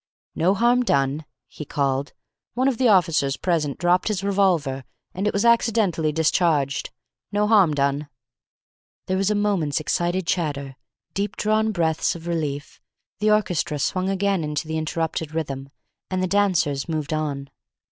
"No harm done," he called. "One of the officers present dropped his revolver, and it was accidently discharged. No harm done." There was a moment's excited chatter, deep drawn breaths of relief, the orchestra swung again into the interrupted rhythm, and the dancers moved on.